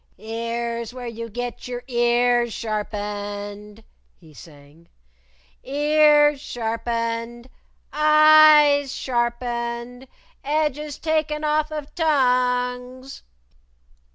"Here's where you get your ears sharpened!" he sang. "Ears sharpened! Eyes sharpened! Edges taken off of tongues!"